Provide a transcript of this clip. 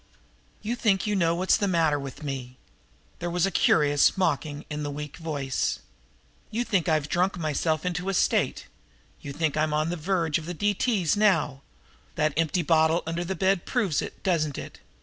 "You think you know what's the matter with me." There was a curious mockery in the weak voice. "You think I've drunk myself into this state. You think I'm on the verge of the D.T.'s now. That empty bottle under the bed proves it, doesn't it?